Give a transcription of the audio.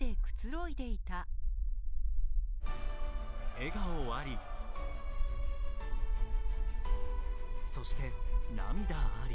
笑顔あり、そして涙あり。